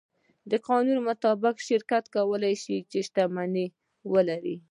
د قانون مطابق شرکت کولی شي، چې شتمنۍ ولري.